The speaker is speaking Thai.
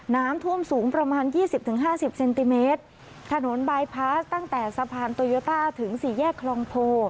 น้ำท่วมสูงประมาณยี่สิบถึงห้าสิบเซนติเมตรถนนบายพาสตั้งแต่สะพานโตโยต้าถึงสี่แยกคลองโพ